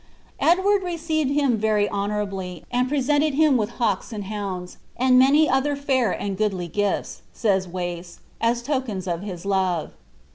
Edward ^received him very honourably, and presented him with hawks and hounds, and many other fair and goodly gif^,^' says Wace, *^ as tokens of his love.''